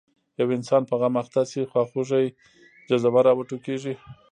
یو انسان په غم اخته شي خواخوږۍ جذبه راوټوکېږي.